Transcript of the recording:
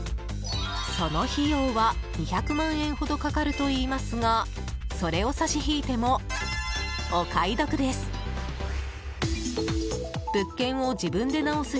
その費用は２００万円ほどかかるといいますがそれを差し引いてもお買い得です。